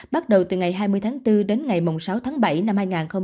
bắt đầu từ ngày hai mươi tháng bốn đến ngày sáu tháng bảy năm hai nghìn hai mươi